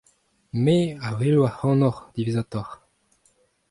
Me a welo ac'hanoc'h diwezhatoc'h.